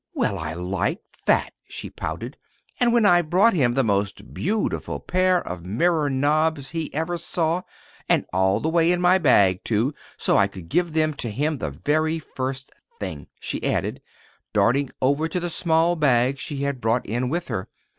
Well, I like that," she pouted; " and when I've brought him the most beautiful pair of mirror knobs he ever saw, and all the way in my bag, too, so I could give them to him the very first thing," she added, darting over to the small bag she had brought in with her.